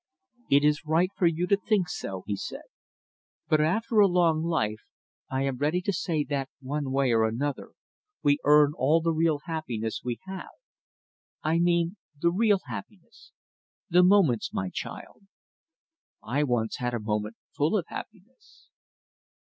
"It is right for you to think so," he said, "but after a long life, I am ready to say that, one way or another, we earn all the real happiness we have. I mean the real happiness the moments, my child. I once had a moment full of happiness."